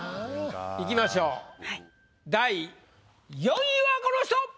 いきましょう第４位はこの人！